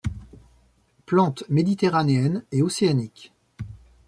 Plante méditerranéenne et océanique.